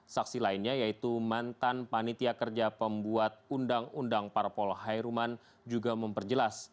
saksi lainnya yaitu mantan panitia kerja pembuat undang undang parpol hairuman juga memperjelas